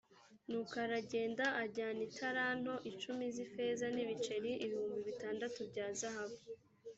nuko aragenda ajyana italanto icumi z’ifeza n’ibiceri ibihumbi bitandatu bya zahabu